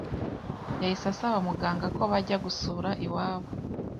yahise asaba Muganga ko bajya gusura iwabo